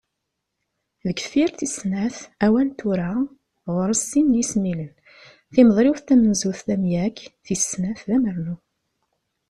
Deg tefyirt tis snat, awal "tura" ɣur-s sin yismilen: Timeḍriwt tamenzut d amyag, tis snat d amernu.